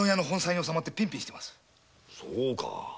そうか。